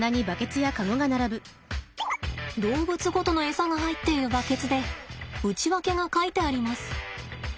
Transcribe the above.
動物ごとのエサが入っているバケツで内訳が書いてあります。